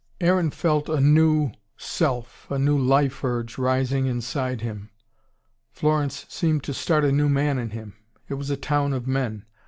Aaron felt a new self, a new life urge rising inside himself. Florence seemed to start a new man in him. It was a town of men.